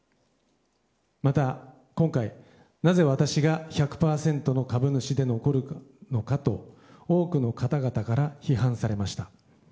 また、今回なぜ私が１００％の株主で残るのかと、多くの方々から批判されました。